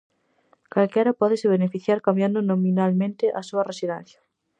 Calquera pódese beneficiar cambiando nominalmente a súa residencia.